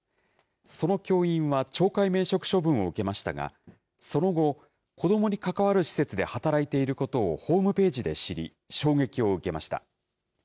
その教員は懲戒免職処分を受けましたが、その後、子どもに関わる施設で働いていることをホームページで知り、衝撃を受けました。